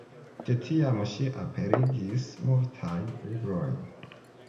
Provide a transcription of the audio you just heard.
De tiam ŝi aperigis multajn librojn.